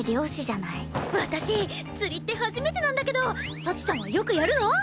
私釣りって初めてなんだけど幸ちゃんはよくやるの？